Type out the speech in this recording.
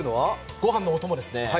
ごはんのお供ですね。